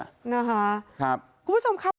คุณผู้ชมครับ